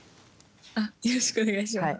よろしくお願いします。